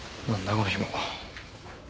このひも。